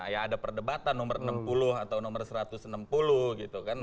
ya ada perdebatan nomor enam puluh atau nomor satu ratus enam puluh gitu kan